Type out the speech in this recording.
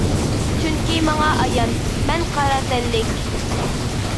چۈنكى ماڭا ئايان، مەن قارا تەنلىك.